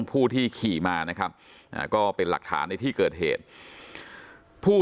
ผู้ที่ขี่มานะครับก็เป็นหลักฐานในที่เกิดเหตุผู้